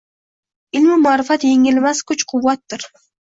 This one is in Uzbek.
Ilmu ma’rifat yengilmas kuch-quvvatdir.